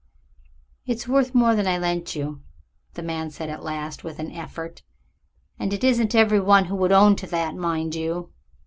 "It's worth more than what I lent you," the man said at last with an effort; "and it isn't every one who would own that, mind you."